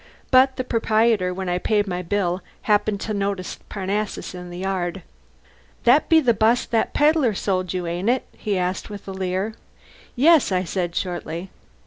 But the proprietor, when I paid my bill, happened to notice Parnassus in the yard. "That's the bus that pedlar sold you, ain't it?" he asked with a leer. "Yes," I said, shortly.